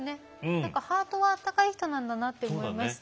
何かハートは温かい人なんだなって思いました。